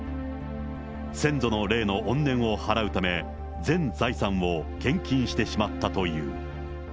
先祖の霊の怨念を祓うため、全財産を献金してしまったという。